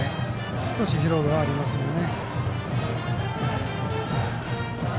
少し疲労がありますね。